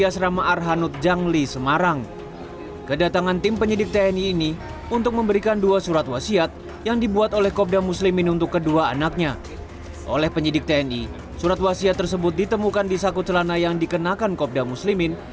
surat wasiat tersebut ditemukan di saku celana yang dikenakan kopda muslimin